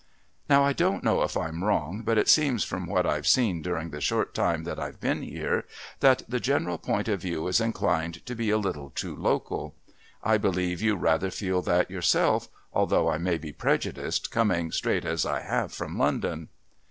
"Now, I don't know if I'm wrong, but it seems from what I've seen during the short time that I've been here that the general point of view is inclined to be a little too local. I believe you rather feel that yourself, although I may be prejudiced, coming straight as I have from London."